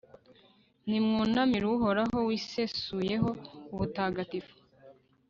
nimwunamire uhoraho wisesuyeho ubutagatifu